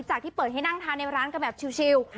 ที่เปิดให้นั่งทานในร้านกันแบบชิล